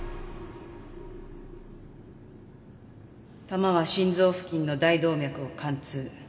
弾は心臓付近の大動脈を貫通。